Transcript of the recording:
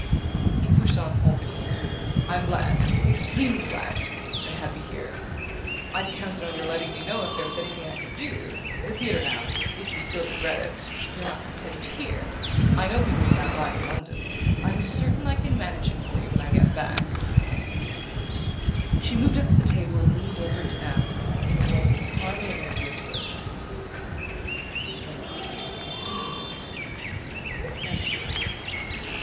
He pushed on haltingly: "I'm glad extremely glad you're happy here...I'd counted on your letting me know if there was anything I could do...The theatre, now if you still regret it if you're not contented here...I know people in that line in London I'm certain I can manage it for you when I get back " She moved up to the table and leaned over it to ask, in a voice that was hardly above a whisper: "Then you DO want me to leave? Is that it?"